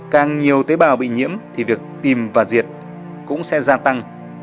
càng nhiều tế bào bị nhiễm thì việc tìm và diệt cũng sẽ gia tăng